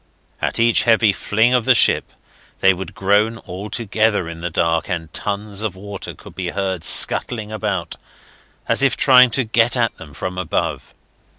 At each heavy fling of the ship they would groan all together in the dark, and tons of water could be heard scuttling about as if trying to get at them from above.